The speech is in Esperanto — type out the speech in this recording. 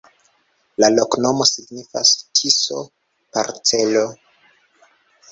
La loknomo signifas: Tiso-parcelo.